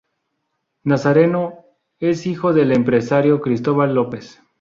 Nazareno es hijo del empresario Cristóbal López.